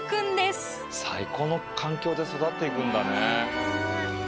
最高の環境で育っていくんだね。